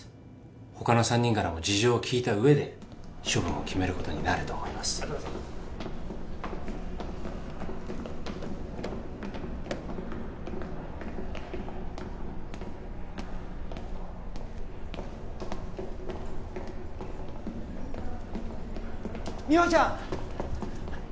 他の３人からも事情を聴いた上で処分を決めることになります美穂ちゃん！